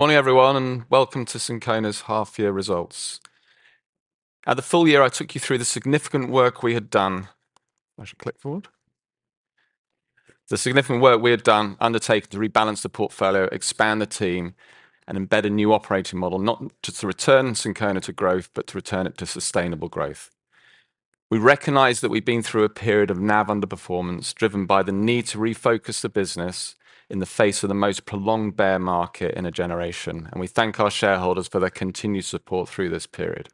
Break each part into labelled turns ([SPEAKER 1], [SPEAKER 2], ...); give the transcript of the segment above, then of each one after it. [SPEAKER 1] Morning, everyone, and welcome to Syncona's half-year results. At the full year, I took you through the significant work we had done. I should click forward. The significant work undertaken to rebalance the portfolio, expand the team, and embed a new operating model, not just to return Syncona to growth, but to return it to sustainable growth. We recognize that we've been through a period of NAV underperformance, driven by the need to refocus the business in the face of the most prolonged bear market in a generation, and we thank our shareholders for their continued support through this period.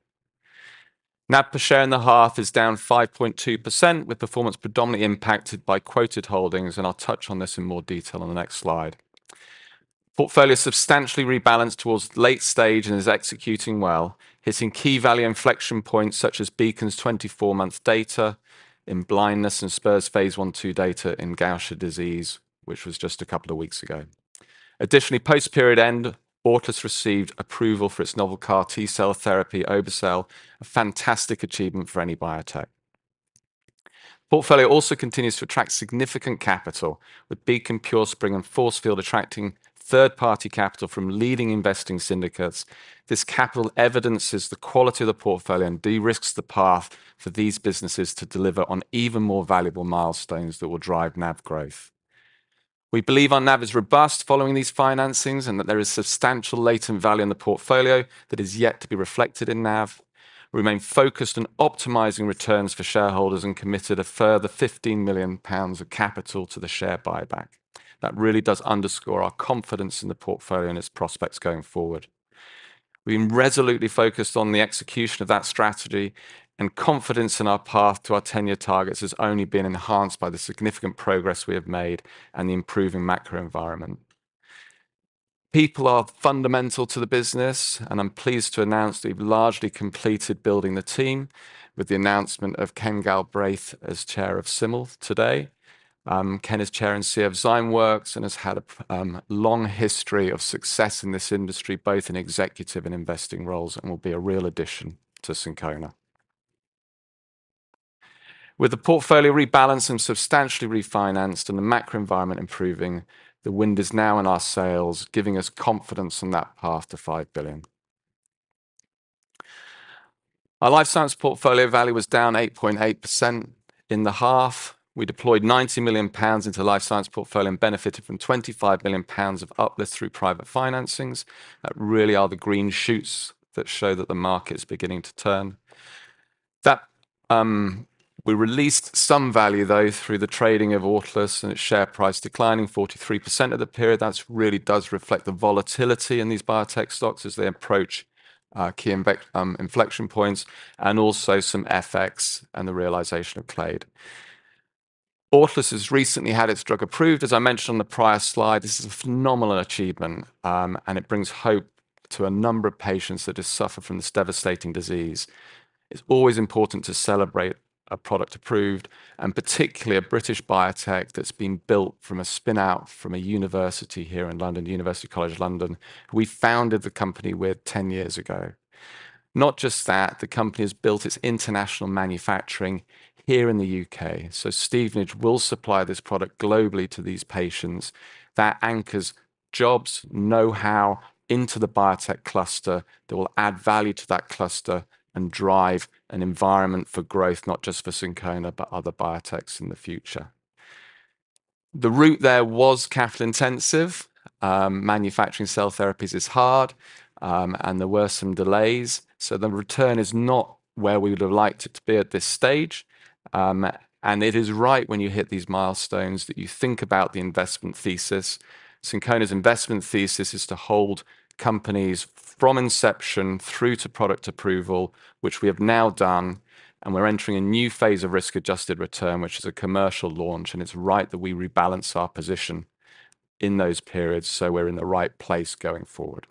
[SPEAKER 1] NAV per share in the half is down 5.2%, with performance predominantly impacted by quoted holdings, and I'll touch on this in more detail on the next slide. Portfolio substantially rebalanced towards late stage and is executing well, hitting key value inflection points such as Beacon's 24-month data in blindness and Spur's phase 1-2 data in Gaucher disease, which was just a couple of weeks ago. Additionally, post-period end, Autolus received approval for its novel CAR T-cell therapy, Obe-cel, a fantastic achievement for any biotech. Portfolio also continues to attract significant capital, with Beacon, PureSpring, and Forcefield attracting third-party capital from leading investment syndicates. This capital evidences the quality of the portfolio and de-risks the path for these businesses to deliver on even more valuable milestones that will drive NAV growth. We believe our NAV is robust following these financings and that there is substantial latent value in the portfolio that is yet to be reflected in NAV. We remain focused on optimizing returns for shareholders and committed a further 15 million pounds of capital to the share buyback. That really does underscore our confidence in the portfolio and its prospects going forward. We've been resolutely focused on the execution of that strategy, and confidence in our path to our tenure targets has only been enhanced by the significant progress we have made and the improving macro environment. People are fundamental to the business, and I'm pleased to announce that we've largely completed building the team with the announcement of Ken Galbraith as Chair of SIML today. Ken is Chair and CEO of Zymeworks and has had a long history of success in this industry, both in executive and investing roles, and will be a real addition to Syncona. With the portfolio rebalanced and substantially refinanced and the macro environment improving, the wind is now in our sails, giving us confidence on that path to 5 billion. Our life science portfolio value was down 8.8% in the half. We deployed 90 million pounds into the life science portfolio and benefited from 25 million pounds of uplift through private financings. That really are the green shoots that show that the market's beginning to turn. We released some value, though, through the trading of Autolus and its share price declining 43% of the period. That really does reflect the volatility in these biotech stocks as they approach key inflection points and also some FX and the realization of Clade. Autolus has recently had its drug approved, as I mentioned on the prior slide. This is a phenomenal achievement, and it brings hope to a number of patients that have suffered from this devastating disease. It's always important to celebrate a product approved, and particularly a British biotech that's been built from a spinout from a university here in London, the University College London, who we founded the company with 10 years ago. Not just that, the company has built its international manufacturing here in the U.K. So Stevenage will supply this product globally to these patients. That anchors jobs, know-how into the biotech cluster that will add value to that cluster and drive an environment for growth, not just for Syncona, but other biotechs in the future. The route there was capital-intensive. Manufacturing cell therapies is hard, and there were some delays. So the return is not where we would have liked it to be at this stage. And it is right when you hit these milestones that you think about the investment thesis. Syncona's investment thesis is to hold companies from inception through to product approval, which we have now done. And we're entering a new phase of risk-adjusted return, which is a commercial launch. It's right that we rebalance our position in those periods, so we're in the right place going forward.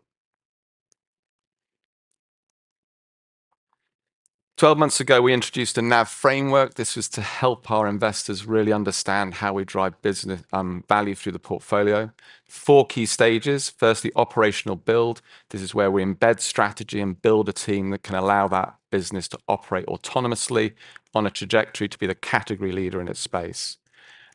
[SPEAKER 1] Twelve months ago, we introduced a NAV framework. This was to help our investors really understand how we drive business value through the portfolio. Four key stages. First, the operational build. This is where we embed strategy and build a team that can allow that business to operate autonomously on a trajectory to be the category leader in its space.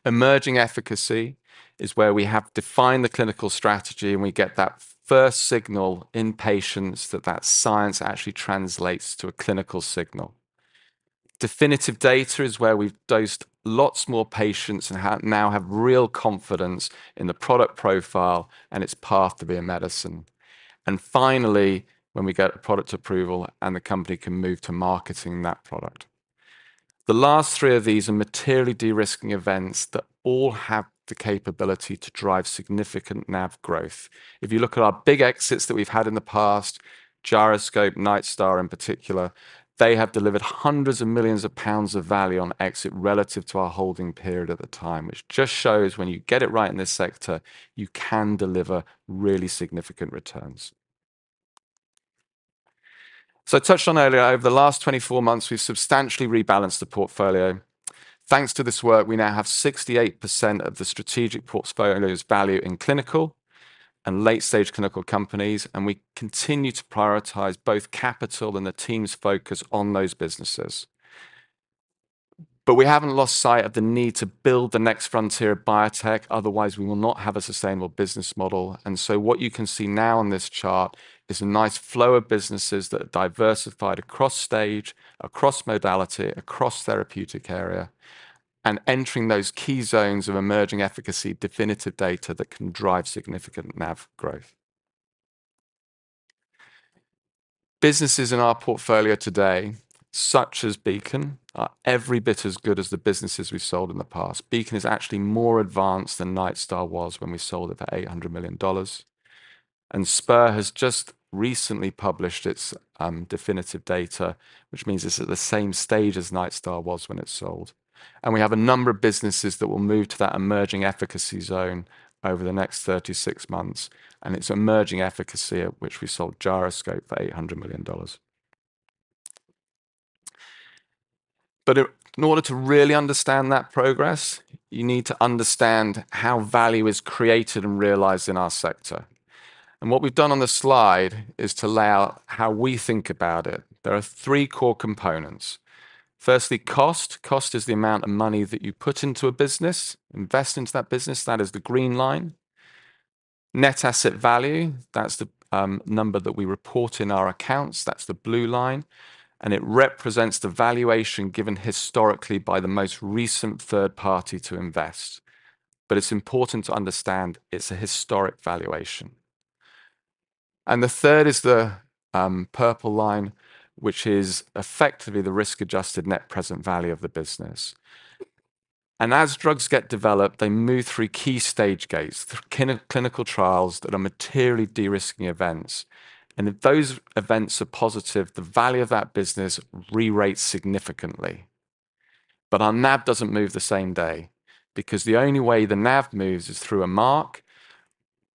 [SPEAKER 1] Emerging efficacy is where we have defined the clinical strategy and we get that first signal in patients that that science actually translates to a clinical signal. Definitive data is where we've dosed lots more patients and now have real confidence in the product profile and its path to be a medicine. And finally, when we get product approval and the company can move to marketing that product. The last three of these are materially de-risking events that all have the capability to drive significant NAV growth. If you look at our big exits that we've had in the past, Gyroscope, Nightstar in particular, they have delivered hundreds of millions of GBP of value on exit relative to our holding period at the time, which just shows when you get it right in this sector, you can deliver really significant returns. So I touched on earlier, over the last 24 months, we've substantially rebalanced the portfolio. Thanks to this work, we now have 68% of the strategic portfolio's value in clinical and late-stage clinical companies, and we continue to prioritize both capital and the team's focus on those businesses. But we haven't lost sight of the need to build the next frontier of biotech. Otherwise, we will not have a sustainable business model. And so what you can see now on this chart is a nice flow of businesses that are diversified across stage, across modality, across therapeutic area, and entering those key zones of emerging efficacy, definitive data that can drive significant NAV growth. Businesses in our portfolio today, such as Beacon, are every bit as good as the businesses we've sold in the past. Beacon is actually more advanced than Nightstar was when we sold it for $800 million. And Spur has just recently published its definitive data, which means it's at the same stage as Nightstar was when it sold. And we have a number of businesses that will move to that emerging efficacy zone over the next 36 months. And it's emerging efficacy at which we sold Gyroscope for $800 million. But in order to really understand that progress, you need to understand how value is created and realized in our sector. And what we've done on the slide is to lay out how we think about it. There are three core components. Firstly, cost. Cost is the amount of money that you put into a business, invest into that business. That is the green line. Net asset value, that's the number that we report in our accounts. That's the blue line. And it represents the valuation given historically by the most recent third party to invest. But it's important to understand it's a historic valuation. And the third is the purple line, which is effectively the risk-adjusted net present value of the business. And as drugs get developed, they move through key stage gates, through clinical trials that are materially de-risking events. If those events are positive, the value of that business re-rates significantly. Our NAV doesn't move the same day because the only way the NAV moves is through a mark.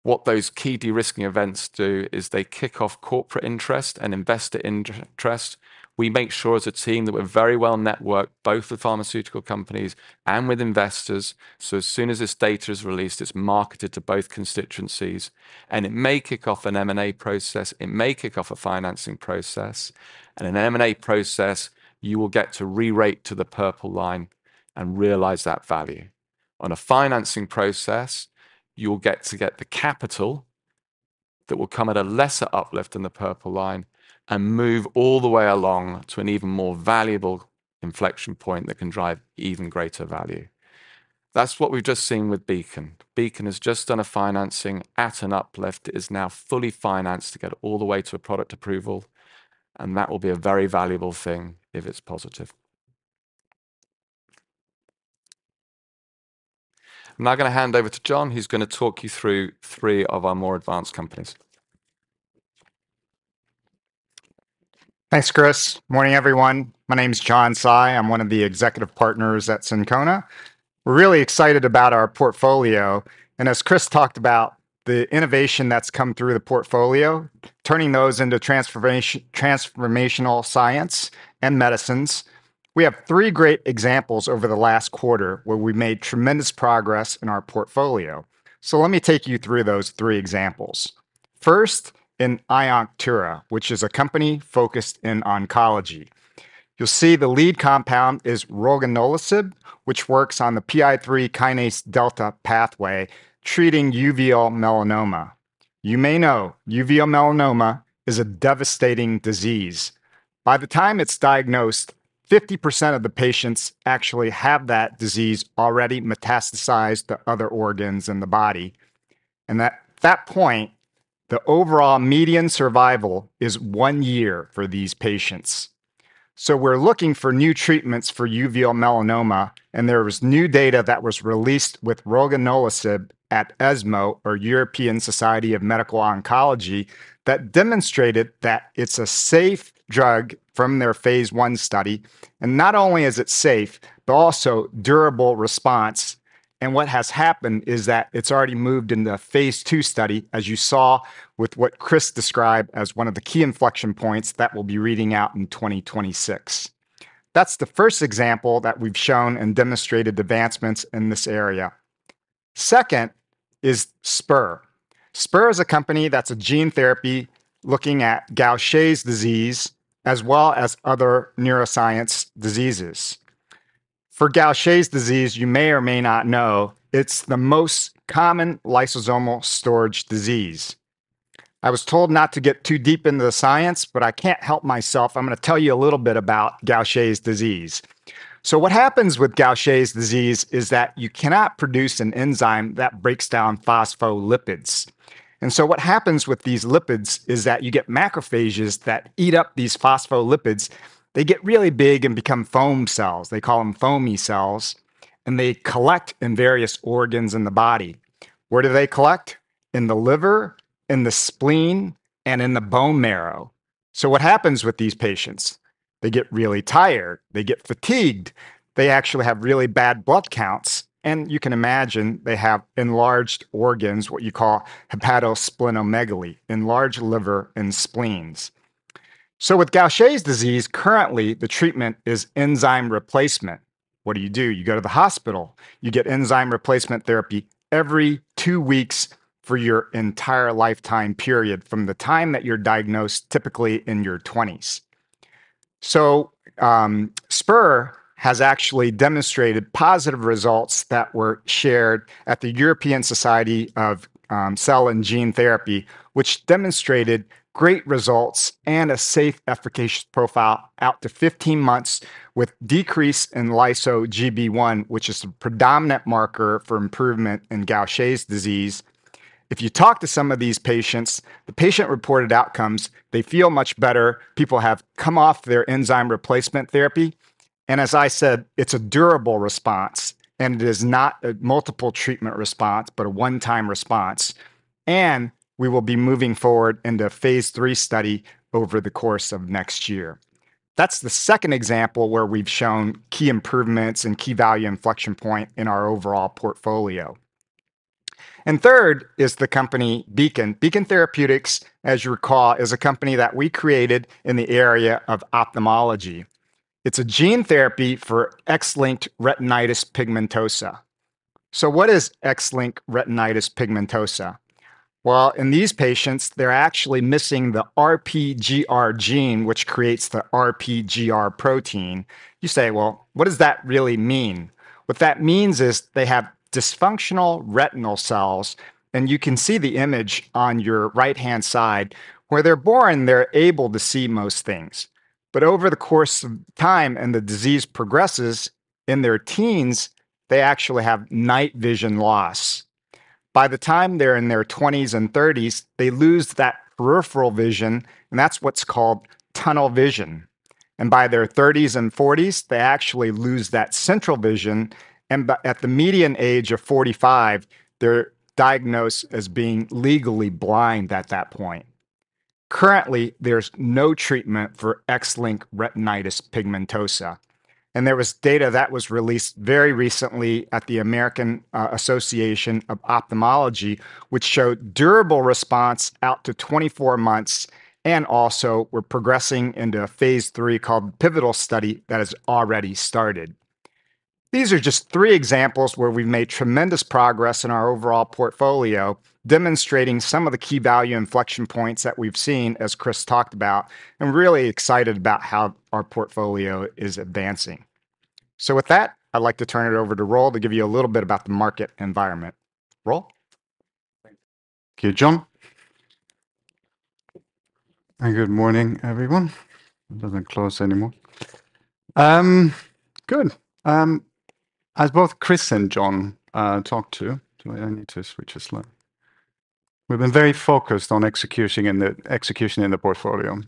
[SPEAKER 1] What those key de-risking events do is they kick off corporate interest and investor interest. We make sure as a team that we're very well networked, both with pharmaceutical companies and with investors. As soon as this data is released, it's marketed to both constituencies. It may kick off an M&A process. It may kick off a financing process. In an M&A process, you will get to re-rate to the purple line and realize that value. On a financing process, you will get the capital that will come at a lesser uplift than the purple line and move all the way along to an even more valuable inflection point that can drive even greater value. That's what we've just seen with Beacon. Beacon has just done a financing at an uplift. It is now fully financed to get all the way to a product approval. And that will be a very valuable thing if it's positive. I'm now going to hand over to John, who's going to talk you through three of our more advanced companies.
[SPEAKER 2] Thanks, Chris. Morning, everyone. My name is John Tsai. I'm one of the executive partners at Syncona. We're really excited about our portfolio. And as Chris talked about, the innovation that's come through the portfolio, turning those into transformational science and medicines, we have three great examples over the last quarter where we made tremendous progress in our portfolio. So let me take you through those three examples. First, in iOnctura, which is a company focused in oncology. You'll see the lead compound is roginolisib, which works on the PI3K delta pathway, treating uveal melanoma. You may know uveal melanoma is a devastating disease. By the time it's diagnosed, 50% of the patients actually have that disease already metastasized to other organs in the body. And at that point, the overall median survival is one year for these patients. So we're looking for new treatments for uveal melanoma. And there was new data that was released with roginolisib at ESMO, or European Society of Medical Oncology, that demonstrated that it's a safe drug from their phase one study. And not only is it safe, but also durable response. And what has happened is that it's already moved into a phase two study, as you saw with what Chris described as one of the key inflection points that we'll be reading out in 2026. That's the first example that we've shown and demonstrated advancements in this area. Second is Spur. Spur is a company that's a gene therapy looking at Gaucher disease as well as other neuroscience diseases. For Gaucher disease, you may or may not know, it's the most common lysosomal storage disease. I was told not to get too deep into the science, but I can't help myself. I'm going to tell you a little bit about Gaucher disease, so what happens with Gaucher disease is that you cannot produce an enzyme that breaks down phospholipids, and so what happens with these lipids is that you get macrophages that eat up these phospholipids. They get really big and become foam cells. They call them foamy cells, and they collect in various organs in the body. Where do they collect? In the liver, in the spleen, and in the bone marrow, so what happens with these patients? They get really tired. They get fatigued. They actually have really bad blood counts, and you can imagine they have enlarged organs, what you call hepatosplenomegaly, enlarged liver and spleens, so with Gaucher disease, currently, the treatment is enzyme replacement. What do you do? You go to the hospital. You get enzyme replacement therapy every two weeks for your entire lifetime period from the time that you're diagnosed, typically in your 20s. Spur has actually demonstrated positive results that were shared at the European Society of Gene and Cell Therapy, which demonstrated great results and a safe efficacy profile out to 15 months with decrease in Lyso-Gb1, which is a predominant marker for improvement in Gaucher disease. If you talk to some of these patients, the patient-reported outcomes, they feel much better. People have come off their enzyme replacement therapy. As I said, it's a durable response. It is not a multiple treatment response, but a one-time response. We will be moving forward into a phase three study over the course of next year. That's the second example where we've shown key improvements and key value inflection point in our overall portfolio. And third is the company Beacon. Beacon Therapeutics, as you recall, is a company that we created in the area of ophthalmology. It's a gene therapy for X-linked retinitis pigmentosa. So what is X-linked retinitis pigmentosa? Well, in these patients, they're actually missing the RPGR gene, which creates the RPGR protein. You say, well, what does that really mean? What that means is they have dysfunctional retinal cells. And you can see the image on your right-hand side. Where they're born, they're able to see most things. But over the course of time and the disease progresses, in their teens, they actually have night vision loss. By the time they're in their 20s and 30s, they lose that peripheral vision. And that's what's called tunnel vision. And by their 30s and 40s, they actually lose that central vision. And at the median age of 45, they're diagnosed as being legally blind at that point. Currently, there's no treatment for X-linked retinitis pigmentosa. And there was data that was released very recently at the American Academy of Ophthalmology, which showed durable response out to 24 months and also were progressing into a phase three called pivotal study that has already started. These are just three examples where we've made tremendous progress in our overall portfolio, demonstrating some of the key value inflection points that we've seen, as Chris talked about, and really excited about how our portfolio is advancing. So with that, I'd like to turn it over to Roel to give you a little bit about the market environment. Roel?
[SPEAKER 3] Thank you, John. And good morning, everyone. Doesn't close anymore. Good. As both Chris and John talked to, I need to switch a slide. We've been very focused on execution in the portfolio.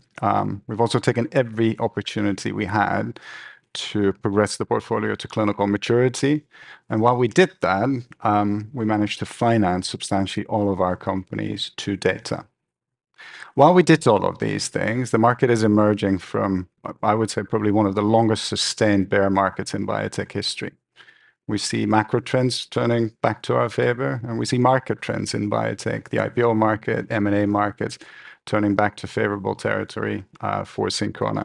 [SPEAKER 3] We've also taken every opportunity we had to progress the portfolio to clinical maturity. And while we did that, we managed to finance substantially all of our companies to date. While we did all of these things, the market is emerging from, I would say, probably one of the longest sustained bear markets in biotech history. We see macro trends turning back to our favor, and we see market trends in biotech, the IPO market, M&A markets turning back to favorable territory for Syncona.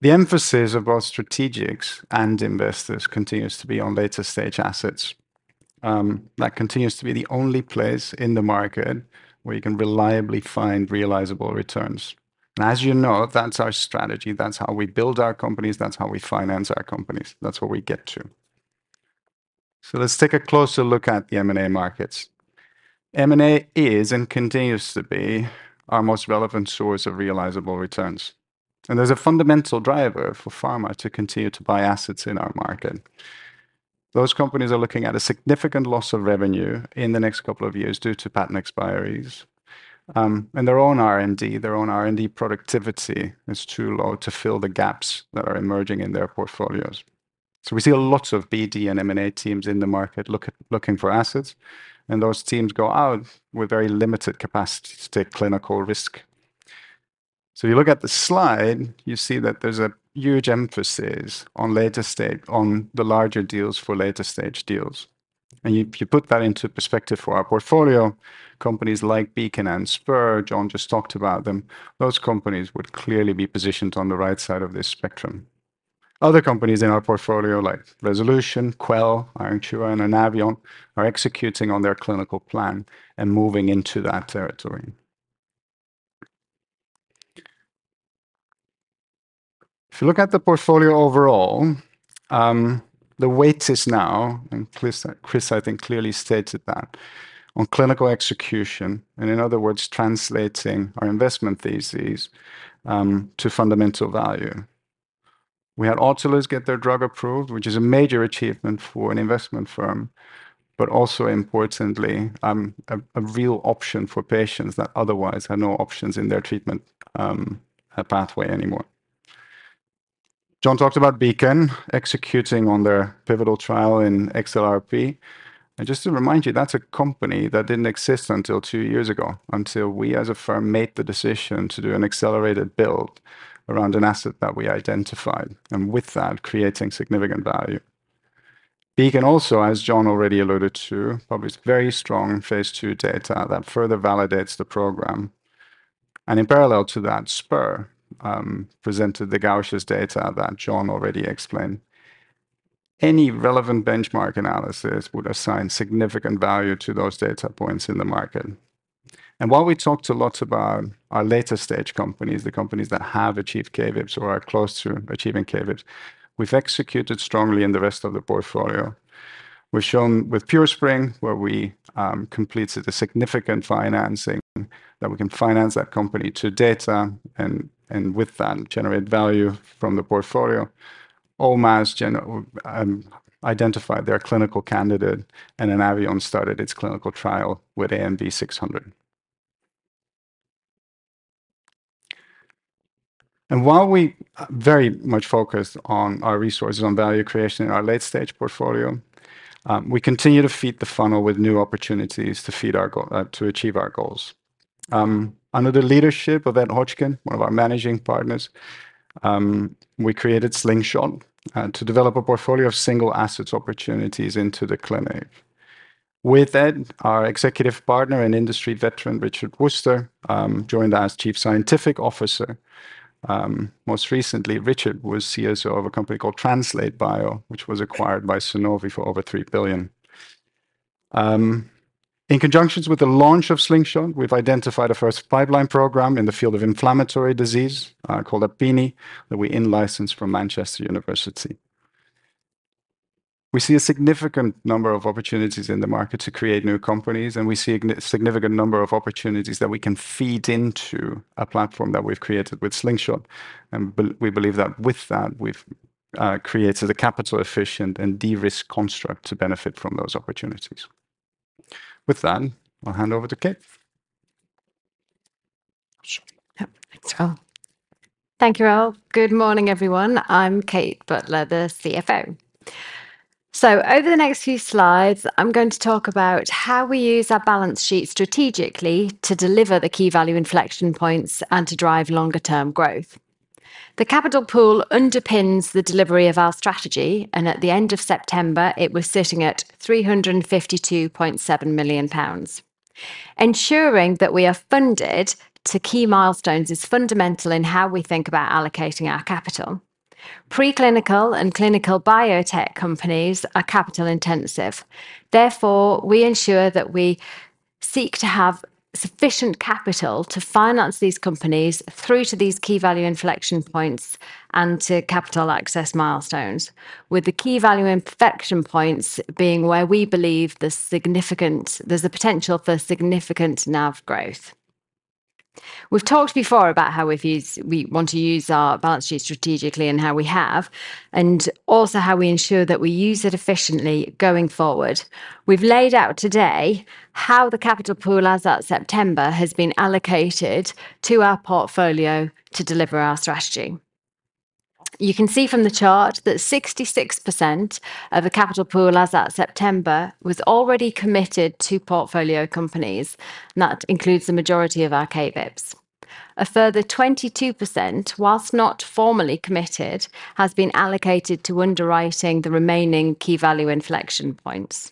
[SPEAKER 3] The emphasis of both strategics and investors continues to be on later stage assets. That continues to be the only place in the market where you can reliably find realizable returns. And as you know, that's our strategy. That's how we build our companies. That's how we finance our companies. That's what we get to. So let's take a closer look at the M&A markets. M&A is and continues to be our most relevant source of realizable returns. And there's a fundamental driver for pharma to continue to buy assets in our market. Those companies are looking at a significant loss of revenue in the next couple of years due to patent expiries. And their own R&D, their own R&D productivity is too low to fill the gaps that are emerging in their portfolios. So we see lots of BD and M&A teams in the market looking for assets. And those teams go out with very limited capacity to take clinical risk. If you look at the slide, you see that there's a huge emphasis on later stage, on the larger deals for later stage deals. And if you put that into perspective for our portfolio, companies like Beacon and Spur, John just talked about them, those companies would clearly be positioned on the right side of this spectrum. Other companies in our portfolio, like Resolution, Quell, iOnctura, and Anaveon, are executing on their clinical plan and moving into that territory. If you look at the portfolio overall, the weight is now, and Chris, I think, clearly stated that, on clinical execution, and in other words, translating our investment theses to fundamental value. We had Autolus get their drug approved, which is a major achievement for an investment firm, but also, importantly, a real option for patients that otherwise had no options in their treatment pathway anymore. John talked about Beacon executing on their pivotal trial in XLRP, and just to remind you, that's a company that didn't exist until two years ago, until we as a firm made the decision to do an accelerated build around an asset that we identified, and with that, creating significant value. Beacon also, as John already alluded to, published very strong phase two data that further validates the program, and in parallel to that, Spur presented the Gaucher's data that John already explained. Any relevant benchmark analysis would assign significant value to those data points in the market, and while we talked a lot about our later stage companies, the companies that have achieved KVIPs or are close to achieving KVIPs, we've executed strongly in the rest of the portfolio. We've shown with PureSpring, where we completed a significant financing that we can finance that company to data and with that generate value from the portfolio. Omas identified their clinical candidate, and Anaveon started its clinical trial with ANV600. While we are very much focused on our resources on value creation in our late stage portfolio, we continue to feed the funnel with new opportunities to achieve our goals. Under the leadership of Ed Hodgkin, one of our managing partners, we created Slingshot to develop a portfolio of single assets opportunities into the clinic. With Ed, our executive partner and industry veteran, Richard Wooster, joined as chief scientific officer. Most recently, Richard was CSO of a company called Translate Bio, which was acquired by Sanofi for over $3 billion. In conjunction with the launch of Slingshot, we've identified a first pipeline program in the field of inflammatory disease called Apini that we in-licensed from the University of Manchester. We see a significant number of opportunities in the market to create new companies, and we see a significant number of opportunities that we can feed into a platform that we've created with Slingshot, and we believe that with that, we've created a capital-efficient and de-risk construct to benefit from those opportunities. With that, I'll hand over to Kate.
[SPEAKER 4] Thanks, Roel.
[SPEAKER 5] Thank you, Roel. Good morning, everyone. I'm Kate Butler, the CFO. So over the next few slides, I'm going to talk about how we use our balance sheet strategically to deliver the key value inflection points and to drive longer-term growth. The capital pool underpins the delivery of our strategy, and at the end of September, it was sitting at 352.7 million pounds. Ensuring that we are funded to key milestones is fundamental in how we think about allocating our capital. Pre-clinical and clinical biotech companies are capital-intensive. Therefore, we ensure that we seek to have sufficient capital to finance these companies through to these key value inflection points and to capital access milestones, with the key value inflection points being where we believe there's a potential for significant NAV growth. We've talked before about how we want to use our balance sheet strategically and how we have, and also how we ensure that we use it efficiently going forward. We've laid out today how the capital pool as at September has been allocated to our portfolio to deliver our strategy. You can see from the chart that 66% of the capital pool as at September was already committed to portfolio companies, and that includes the majority of our KVIPs. A further 22%, whilst not formally committed, has been allocated to underwriting the remaining key value inflection points.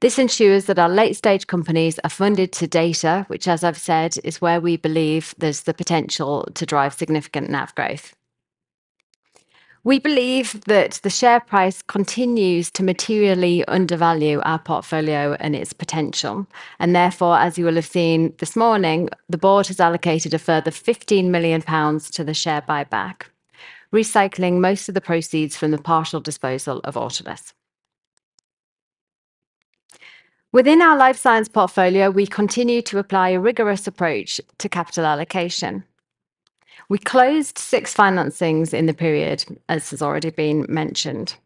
[SPEAKER 5] This ensures that our late-stage companies are funded to data, which, as I've said, is where we believe there's the potential to drive significant NAV growth. We believe that the share price continues to materially undervalue our portfolio and its potential. Therefore, as you will have seen this morning, the board has allocated a further 15 million pounds to the share buyback, recycling most of the proceeds from the partial disposal of Autolus. Within our life science portfolio, we continue to apply a rigorous approach to capital allocation. We closed six financings in the period, as has already been mentioned.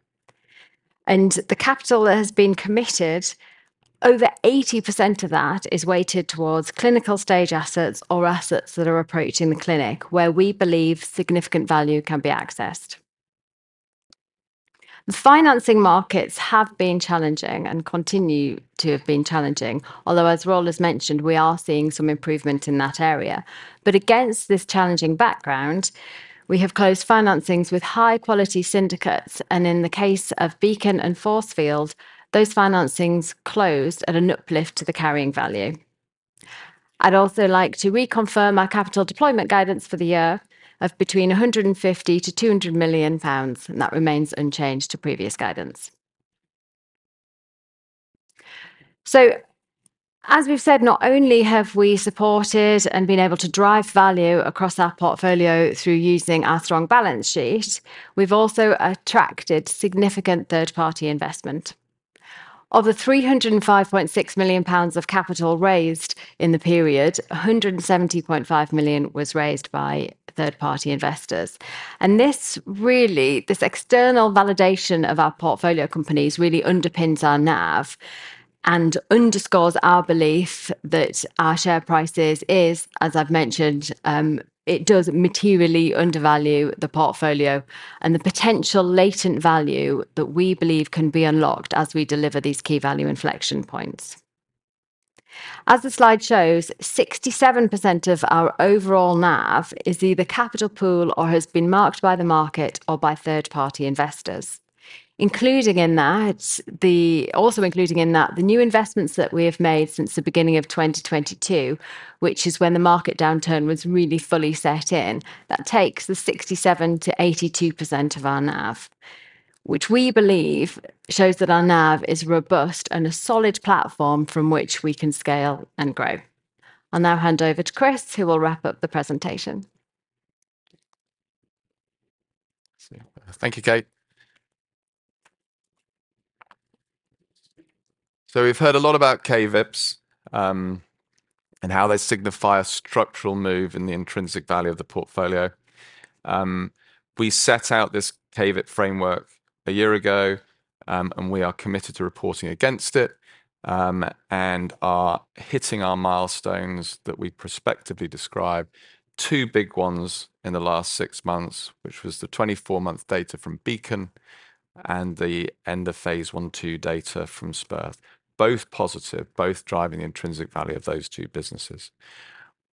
[SPEAKER 5] The capital that has been committed, over 80% of that is weighted towards clinical stage assets or assets that are approaching the clinic, where we believe significant value can be accessed. The financing markets have been challenging and continue to have been challenging, although, as Roel has mentioned, we are seeing some improvement in that area. Against this challenging background, we have closed financings with high-quality syndicates. In the case of Beacon and Forcefield, those financings closed at an uplift to the carrying value. I'd also like to reconfirm our capital deployment guidance for the year of between 150 to 200 million pounds, and that remains unchanged to previous guidance. So, as we've said, not only have we supported and been able to drive value across our portfolio through using our strong balance sheet, we've also attracted significant third-party investment. Of the 305.6 million pounds of capital raised in the period, £170.5 million was raised by third-party investors. And this really, this external validation of our portfolio companies really underpins our NAV and underscores our belief that our share prices is, as I've mentioned, it does materially undervalue the portfolio and the potential latent value that we believe can be unlocked as we deliver these key value inflection points. As the slide shows, 67% of our overall NAV is either capital pool or has been marked by the market or by third-party investors, including in that, also including in that the new investments that we have made since the beginning of 2022, which is when the market downturn was really fully set in. That takes the 67% to 82% of our NAV, which we believe shows that our NAV is robust and a solid platform from which we can scale and grow. I'll now hand over to Chris, who will wrap up the presentation.
[SPEAKER 1] Thank you, Kate. We've heard a lot about KVIPs and how they signify a structural move in the intrinsic value of the portfolio. We set out this KVIP framework a year ago, and we are committed to reporting against it and are hitting our milestones that we prospectively described, two big ones in the last six months, which was the 24-month data from Beacon and the end-of-phase 1/2 data from Spur, both positive, both driving the intrinsic value of those two businesses.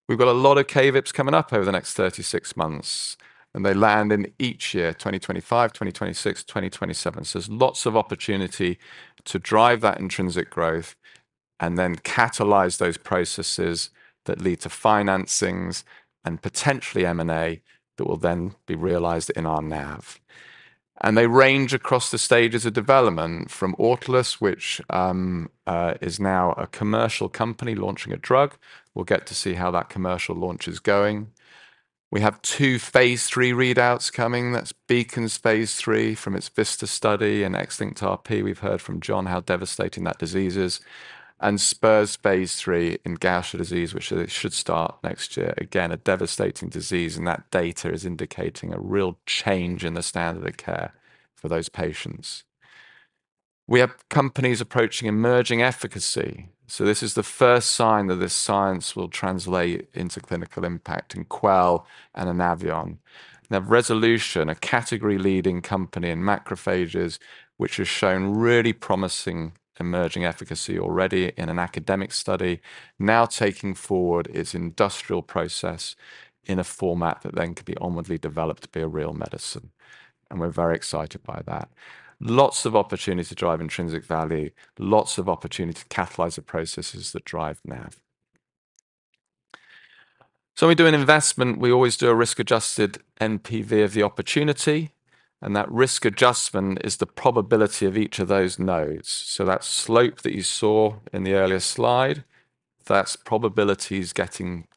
[SPEAKER 1] We've got a lot of KVIPs coming up over the next 36 months, and they land in each year, 2025, 2026, 2027. There's lots of opportunity to drive that intrinsic growth and then catalyze those processes that lead to financings and potentially M&A that will then be realized in our NAV. They range across the stages of development from Autolus, which is now a commercial company launching a drug. We'll get to see how that commercial launch is going. We have two phase 3 readouts coming. That's Beacon's phase 3 from its VISTA study and XLRP. We've heard from John how devastating that disease is. Spur's phase 3 in Gaucher disease, which should start next year. Again, a devastating disease, and that data is indicating a real change in the standard of care for those patients. We have companies approaching emerging efficacy. This is the first sign that this science will translate into clinical impact in Quell and Anaveon. Now, Resolution, a category-leading company in macrophages, which has shown really promising emerging efficacy already in an academic study, now taking forward its industrial process in a format that then could be onwardly developed to be a real medicine. And we're very excited by that. Lots of opportunity to drive intrinsic value, lots of opportunity to catalyze the processes that drive NAV. So when we do an investment, we always do a risk-adjusted NPV of the opportunity. And that risk adjustment is the probability of each of those nodes. So that slope that you saw in the earlier slide, that's probabilities getting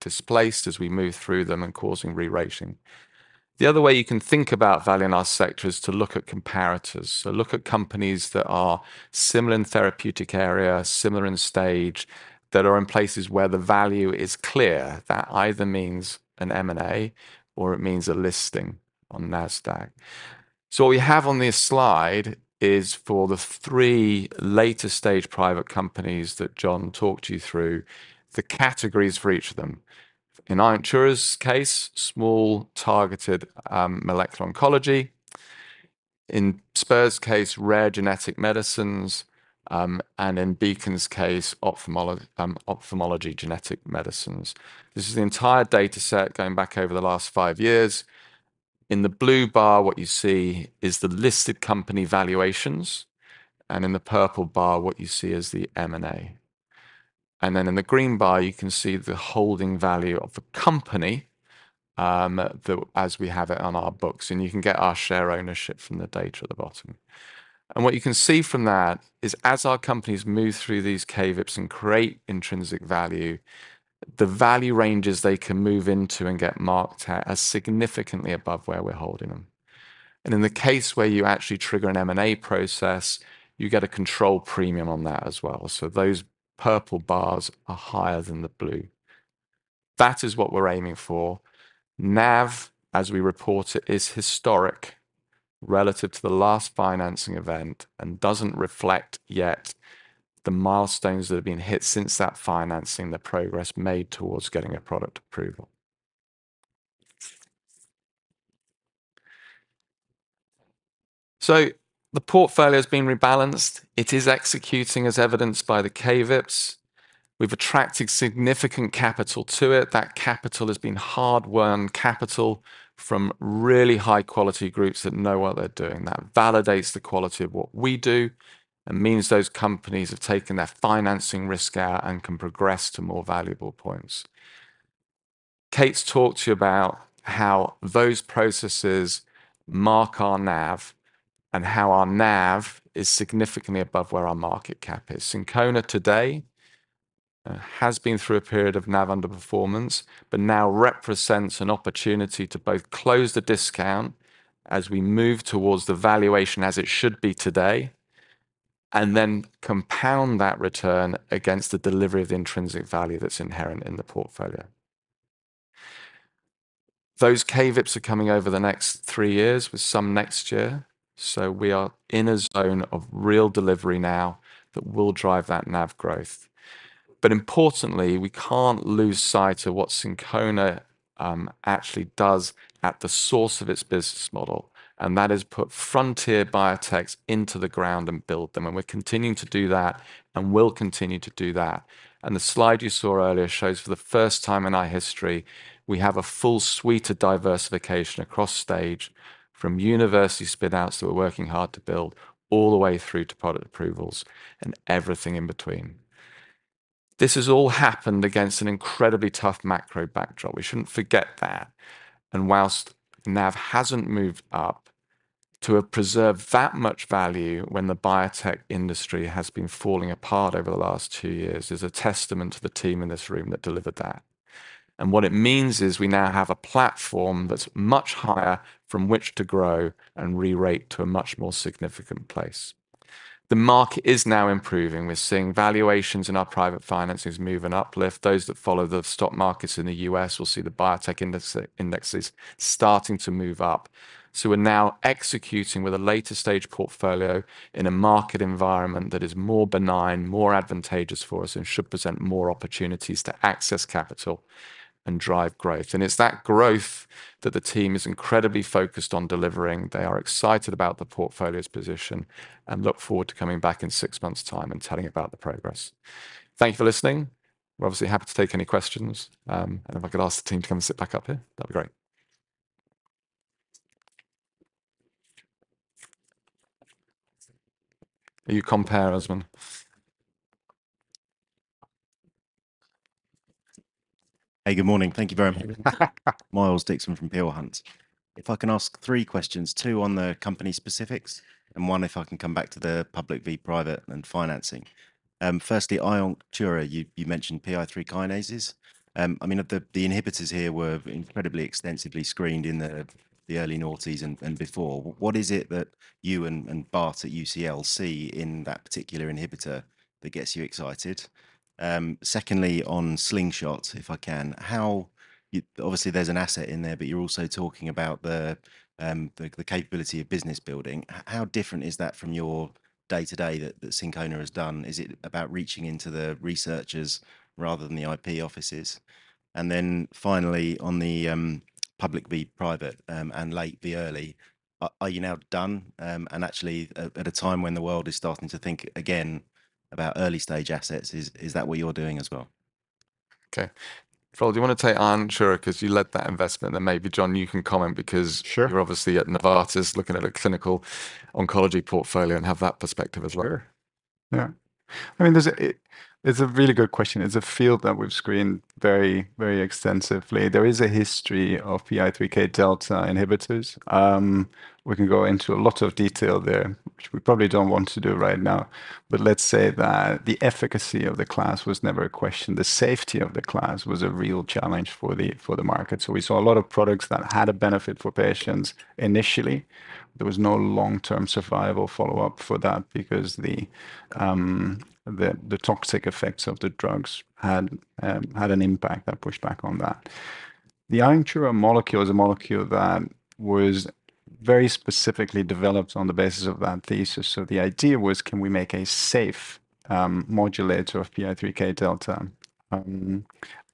[SPEAKER 1] displaced as we move through them and causing re-rating. The other way you can think about value in our sector is to look at comparators. So look at companies that are similar in therapeutic area, similar in stage, that are in places where the value is clear. That either means an M&A or it means a listing on NASDAQ. So what we have on this slide is for the three later stage private companies that John talked to you through, the categories for each of them. In iOnctura's case, small targeted molecular oncology. In Spur's case, rare genetic medicines. And in Beacon's case, ophthalmology genetic medicines. This is the entire data set going back over the last five years. In the blue bar, what you see is the listed company valuations. And in the purple bar, what you see is the M&A. And then in the green bar, you can see the holding value of the company as we have it on our books. And you can get our share ownership from the data at the bottom. What you can see from that is, as our companies move through these KVIPs and create intrinsic value, the value ranges they can move into and get marked out are significantly above where we're holding them. In the case where you actually trigger an M&A process, you get a control premium on that as well. Those purple bars are higher than the blue. That is what we're aiming for. NAV, as we report it, is historic relative to the last financing event and doesn't reflect yet the milestones that have been hit since that financing, the progress made towards getting a product approval. The portfolio has been rebalanced. It is executing, as evidenced by the KVIPs. We've attracted significant capital to it. That capital has been hard-won capital from really high-quality groups that know what they're doing. That validates the quality of what we do and means those companies have taken their financing risk out and can progress to more valuable points. Kate's talked to you about how those processes mark our NAV and how our NAV is significantly above where our market cap is. Syncona today has been through a period of NAV underperformance, but now represents an opportunity to both close the discount as we move towards the valuation as it should be today, and then compound that return against the delivery of the intrinsic value that's inherent in the portfolio. Those KVIPs are coming over the next three years with some next year. So we are in a zone of real delivery now that will drive that NAV growth. But importantly, we can't lose sight of what Syncona actually does at the source of its business model. That is to put frontier biotechs into the ground and build them. We're continuing to do that and will continue to do that. The slide you saw earlier shows for the first time in our history, we have a full suite of diversification across stages from university spinouts that we're working hard to build all the way through to product approvals and everything in between. This has all happened against an incredibly tough macro backdrop. We shouldn't forget that. Whilst NAV hasn't moved up, to have preserved that much value when the biotech industry has been falling apart over the last two years is a testament to the team in this room that delivered that. What it means is we now have a platform that's much higher from which to grow and re-rate to a much more significant place. The market is now improving. We're seeing valuations in our private financings move an uplift. Those that follow the stock markets in the U.S. will see the biotech indexes starting to move up. So we're now executing with a later stage portfolio in a market environment that is more benign, more advantageous for us, and should present more opportunities to access capital and drive growth. And it's that growth that the team is incredibly focused on delivering. They are excited about the portfolio's position and look forward to coming back in six months' time and telling about the progress. Thank you for listening. We're obviously happy to take any questions. And if I could ask the team to come and sit back up here, that'd be great. You compare, Osmond.
[SPEAKER 4] Hey, good morning. Thank you very much. Miles Dixon from Peel Hunt. If I can ask three questions, two on the company specifics and one if I can come back to the public vs private and financing. Firstly, iOnctura, you mentioned PI3K. I mean, the inhibitors here were incredibly extensively screened in the early noughties and before. What is it that you and Bart at UCL see in that particular inhibitor that gets you excited? Secondly, on Slingshot, if I can, how obviously there's an asset in there, but you're also talking about the capability of business building. How different is that from your day-to-day that Syncona has done? Is it about reaching into the researchers rather than the IP offices? And then finally, on the public vs private, and late vs early, are you now done? Actually, at a time when the world is starting to think again about early stage assets, is that what you're doing as well?
[SPEAKER 1] Okay. Roel, do you want to take iOnctura because you led that investment? And maybe John, you can comment because you're obviously at Novartis looking at a clinical oncology portfolio and have that perspective as well.
[SPEAKER 3] Sure. Yeah. I mean, it's a really good question. It's a field that we've screened very, very extensively. There is a history of PI3K delta inhibitors. We can go into a lot of detail there, which we probably don't want to do right now. But let's say that the efficacy of the class was never a question. The safety of the class was a real challenge for the market. So we saw a lot of products that had a benefit for patients initially. There was no long-term survival follow-up for that because the toxic effects of the drugs had an impact that pushed back on that. The iOnctura molecule is a molecule that was very specifically developed on the basis of that thesis. So the idea was, can we make a safe modulator of PI3K delta?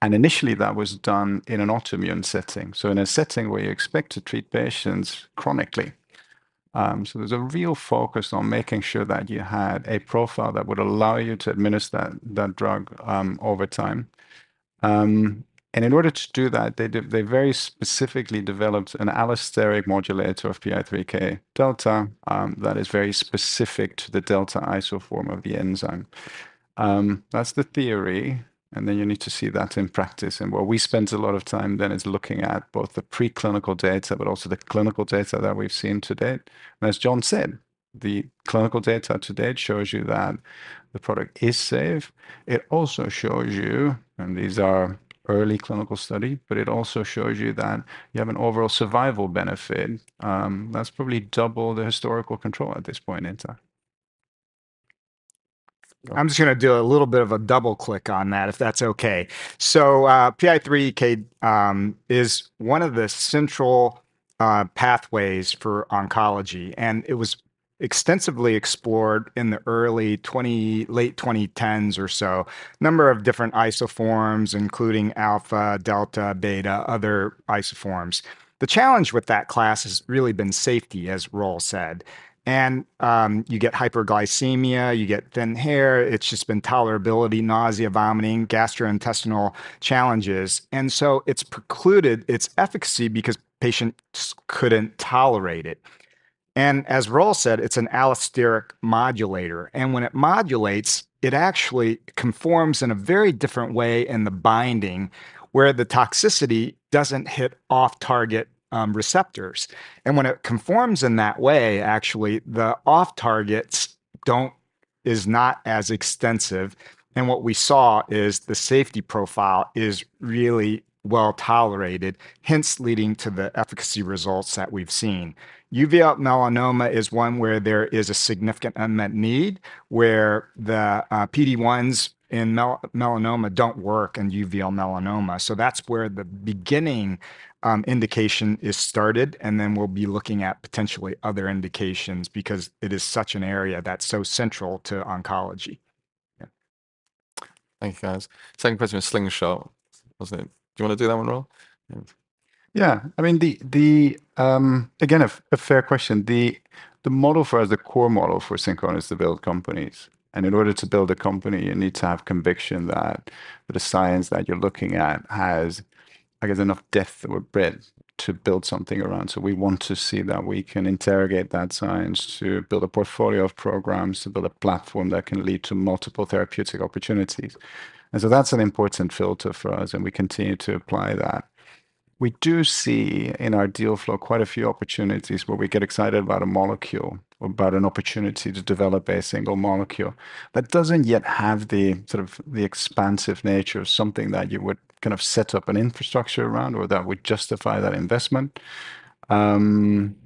[SPEAKER 3] And initially, that was done in an autoimmune setting. In a setting where you expect to treat patients chronically, there's a real focus on making sure that you had a profile that would allow you to administer that drug over time. In order to do that, they very specifically developed an allosteric modulator of PI3K delta that is very specific to the delta isoform of the enzyme. That's the theory. Then you need to see that in practice. What we spent a lot of time then is looking at both the preclinical data, but also the clinical data that we've seen to date. As John said, the clinical data to date shows you that the product is safe. It also shows you, and these are early clinical studies, but it also shows you that you have an overall survival benefit that's probably double the historical control at this point in time.
[SPEAKER 2] I'm just going to do a little bit of a double click on that, if that's okay, so PI3K is one of the central pathways for oncology, and it was extensively explored in the early 2000s, late 2010s or so, a number of different isoforms, including alpha, delta, beta, other isoforms. The challenge with that class has really been safety, as Roel said, and you get hyperglycemia, you get thin hair. It's just been tolerability, nausea, vomiting, gastrointestinal challenges, and so it's precluded its efficacy because patients couldn't tolerate it, and as Roel said, it's an allosteric modulator, and when it modulates, it actually conforms in a very different way in the binding where the toxicity doesn't hit off-target receptors, and when it conforms in that way, actually, the off-target is not as extensive. What we saw is the safety profile is really well tolerated, hence leading to the efficacy results that we've seen. Uveal melanoma is one where there is a significant unmet need where the PD-1s in melanoma don't work in uveal melanoma. So that's where the beginning indication is started. Then we'll be looking at potentially other indications because it is such an area that's so central to oncology. Yeah.
[SPEAKER 1] Thank you, guys. Second question was Slingshot, wasn't it? Do you want to do that one, Roel?
[SPEAKER 3] Yeah. I mean, again, a fair question. The model for us, the core model for Syncona is to build companies. And in order to build a company, you need to have conviction that the science that you're looking at has, I guess, enough depth or breadth to build something around. So we want to see that we can interrogate that science to build a portfolio of programs, to build a platform that can lead to multiple therapeutic opportunities. And so that's an important filter for us. And we continue to apply that. We do see in our deal flow quite a few opportunities where we get excited about a molecule or about an opportunity to develop a single molecule that doesn't yet have the sort of expansive nature of something that you would kind of set up an infrastructure around or that would justify that investment. And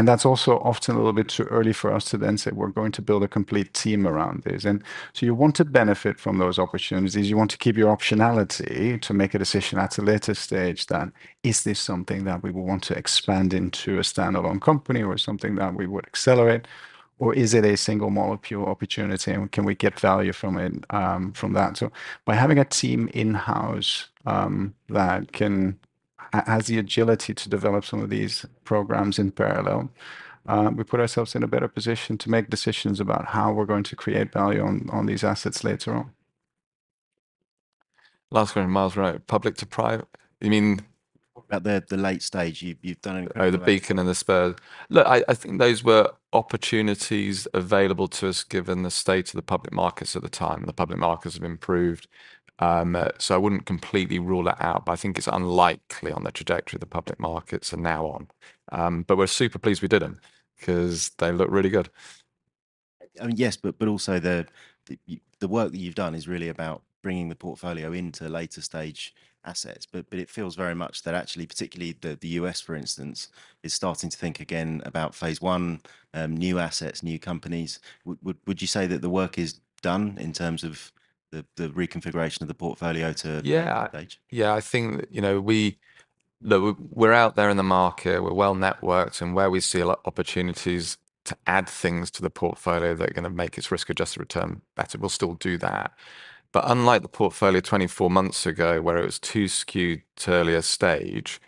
[SPEAKER 3] that's also often a little bit too early for us to then say we're going to build a complete team around this. And so you want to benefit from those opportunities. You want to keep your optionality to make a decision at a later stage that is this something that we want to expand into a standalone company or something that we would accelerate, or is it a single molecule opportunity and can we get value from that? So by having a team in-house that has the agility to develop some of these programs in parallel, we put ourselves in a better position to make decisions about how we're going to create value on these assets later on.
[SPEAKER 1] Last question, Miles, right? Public to private? You mean.
[SPEAKER 4] What about the late stage? You've done.
[SPEAKER 1] Oh, the Beacon and the Spurs. Look, I think those were opportunities available to us given the state of the public markets at the time. The public markets have improved, so I wouldn't completely rule it out, but I think it's unlikely on the trajectory of the public markets from now on, but we're super pleased we did them because they look really good.
[SPEAKER 4] I mean, yes, but also the work that you've done is really about bringing the portfolio into later stage assets. But it feels very much that actually, particularly the U.S., for instance, is starting to think again about phase one, new assets, new companies. Would you say that the work is done in terms of the reconfiguration of the portfolio to the late stage?
[SPEAKER 1] Yeah, I think we're out there in the market. We're well networked. And where we see a lot of opportunities to add things to the portfolio that are going to make its risk-adjusted return better, we'll still do that. But unlike the portfolio 24 months ago where it was too skewed to earlier stage,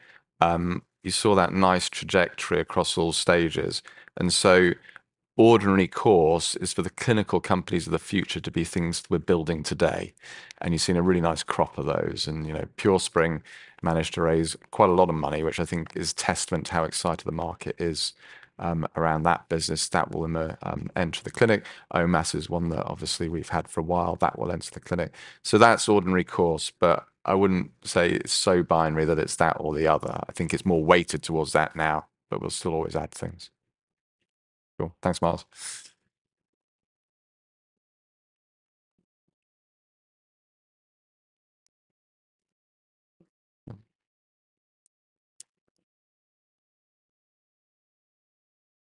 [SPEAKER 1] you saw that nice trajectory across all stages. And so ordinary course is for the clinical companies of the future to be things we're building today. And you've seen a really nice crop of those. And PureSpring managed to raise quite a lot of money, which I think is a testament to how excited the market is around that business. That will enter the clinic. OMAS is one that obviously we've had for a while. That will enter the clinic. So that's ordinary course. But I wouldn't say it's so binary that it's that or the other. I think it's more weighted towards that now, but we'll still always add things. Cool. Thanks, Miles.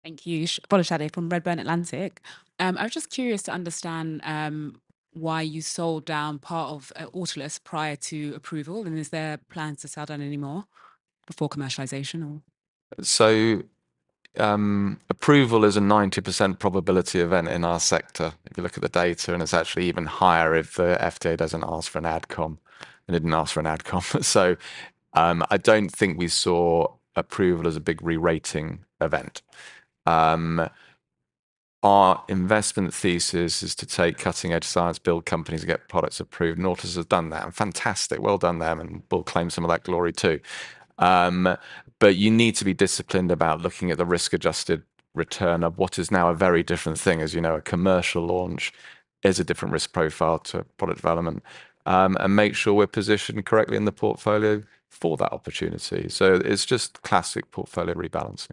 [SPEAKER 6] Thank you. Polish Adi from Redburn Atlantic. I was just curious to understand why you sold down part of Autolus prior to approval. And is there plans to sell down anymore before commercialization?
[SPEAKER 1] Approval is a 90% probability event in our sector. If you look at the data, and it's actually even higher if the FDA doesn't ask for an adcom and didn't ask for an adcom. I don't think we saw approval as a big re-rating event. Our investment thesis is to take cutting-edge science, build companies, and get products approved. Autolus has done that. And fantastic. Well done them. And we'll claim some of that glory too. But you need to be disciplined about looking at the risk-adjusted return of what is now a very different thing. As you know, a commercial launch is a different risk profile to product development. And make sure we're positioned correctly in the portfolio for that opportunity. It's just classic portfolio rebalancing.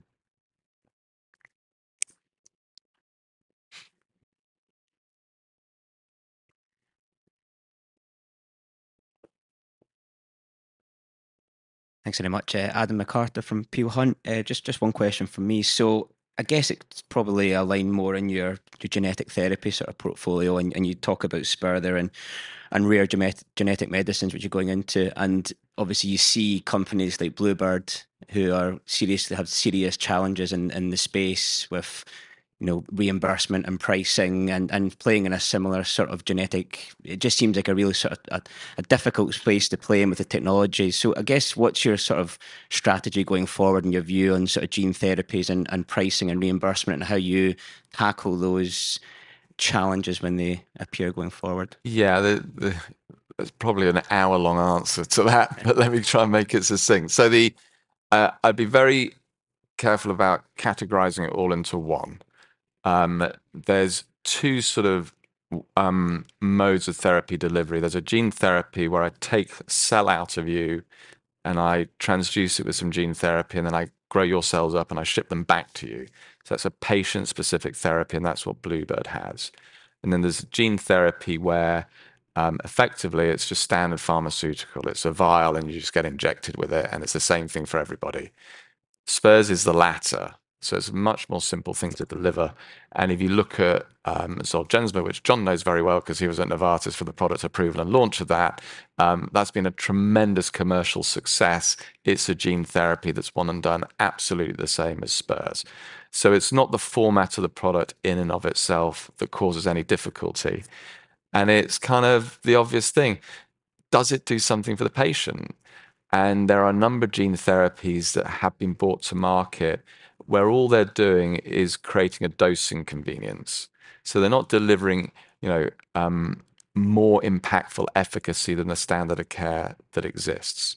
[SPEAKER 7] Thanks very much. Adam McCarter from Peel Hunt. Just one question from me. I guess it's probably aligned more in your gene therapy sort of portfolio. You talk about Spur Therapeutics and rare genetic medicines, which you're going into. Obviously, you see companies like Bluebird Bio who have serious challenges in the space with reimbursement and pricing and playing in a similar sort of genetic. It just seems like a really sort of difficult place to play in with the technology. I guess what's your sort of strategy going forward in your view on sort of gene therapies and pricing and reimbursement and how you tackle those challenges when they appear going forward?
[SPEAKER 1] Yeah, that's probably an hour-long answer to that, but let me try and make it succinct. So I'd be very careful about categorizing it all into one. There's two sort of modes of therapy delivery. There's a gene therapy where I take cell out of you and I transduce it with some gene therapy, and then I grow your cells up and I ship them back to you. So that's a patient-specific therapy, and that's what Bluebird has. And then there's gene therapy where effectively it's just standard pharmaceutical. It's a vial and you just get injected with it. And it's the same thing for everybody. Spur's is the latter. So it's much more simple things with the liver. And if you look at Zolgensma, which John knows very well because he was at Novartis for the product approval and launch of that, that's been a tremendous commercial success. It's a gene therapy that's one and done, absolutely the same as Spur's. So it's not the format of the product in and of itself that causes any difficulty, and it's kind of the obvious thing. Does it do something for the patient, and there are a number of gene therapies that have been brought to market where all they're doing is creating a dosing convenience. So they're not delivering more impactful efficacy than the standard of care that exists,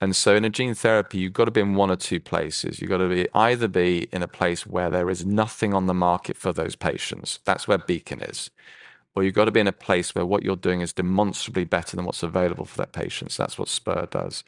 [SPEAKER 1] and so in a gene therapy, you've got to be in one or two places. You've got to either be in a place where there is nothing on the market for those patients. That's where Beacon is, or you've got to be in a place where what you're doing is demonstrably better than what's available for that patient, so that's what Spur does.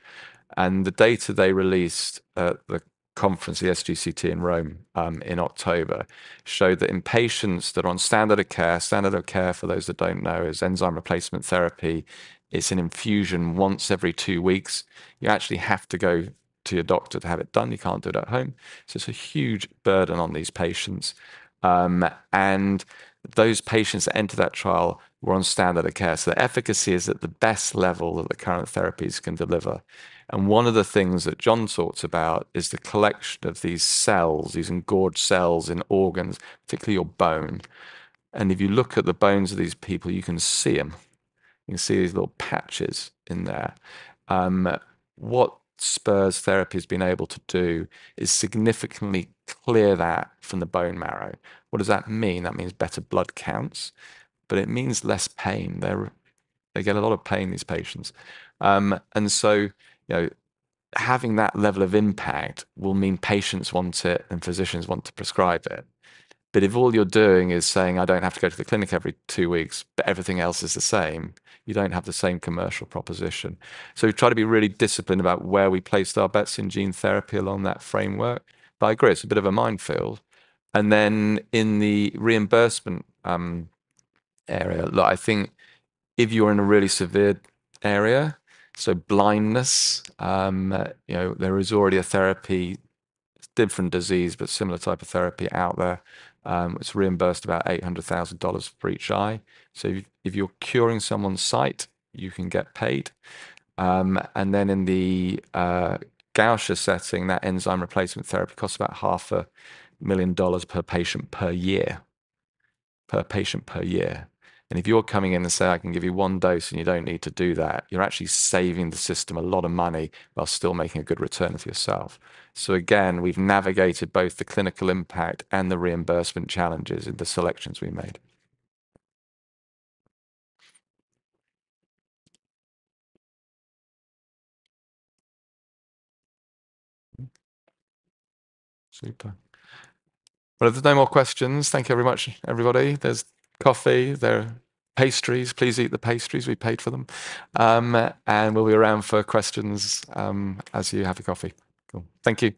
[SPEAKER 1] And the data they released at the conference, the ESGCT in Rome in October, showed that in patients that are on standard of care. Standard of care for those that don't know is enzyme replacement therapy. It's an infusion once every two weeks. You actually have to go to your doctor to have it done. You can't do it at home. So it's a huge burden on these patients. And those patients that enter that trial were on standard of care. So the efficacy is at the best level that the current therapies can deliver. And one of the things that John talks about is the collection of these cells, these engorged cells in organs, particularly your bone. And if you look at the bones of these people, you can see them. You can see these little patches in there. What Spur Therapeutics has been able to do is significantly clear that from the bone marrow. What does that mean? That means better blood counts, but it means less pain. They get a lot of pain, these patients, and so having that level of impact will mean patients want it and physicians want to prescribe it. But if all you're doing is saying, "I don't have to go to the clinic every two weeks," but everything else is the same, you don't have the same commercial proposition, so we try to be really disciplined about where we place our bets in gene therapy along that framework, but I agree, it's a bit of a minefield, and then in the reimbursement area, look, I think if you're in a really severe area, so blindness, there is already a therapy, different disease, but similar type of therapy out there. It's reimbursed about $800,000 for each eye. So if you're curing someone's sight, you can get paid. And then in the Gaucher setting, that enzyme replacement therapy costs about $500,000 per patient per year. And if you're coming in and say, "I can give you one dose and you don't need to do that," you're actually saving the system a lot of money while still making a good return for yourself. So again, we've navigated both the clinical impact and the reimbursement challenges in the selections we made. Super. But if there's no more questions, thank you very much, everybody. There's coffee, there are pastries. Please eat the pastries. We paid for them. And we'll be around for questions as you have your coffee. Cool. Thank you.